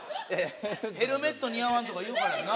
ヘルメットにあわんとか言うからやんな？